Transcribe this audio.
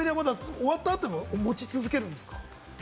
終わった後も持ち続けるんですか？